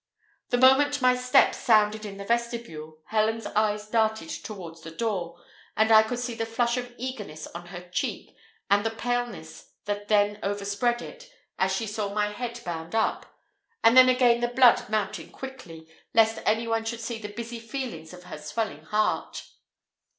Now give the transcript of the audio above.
The moment my step sounded in the vestibule, Helen's eyes darted towards the door, and I could see the flush of eagerness on her cheek, and the paleness that then overspread it, as she saw my head bound up; and then again the blood mounting quickly, lest any one should see the busy feelings of her swelling heart.